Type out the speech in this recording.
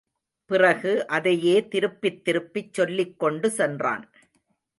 பிறகு அதையே திருப்பித் திருப்பிச் சொல்லிக் கொண்டு சென்றான்.